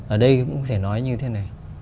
ở đây cũng có thể nói như thế này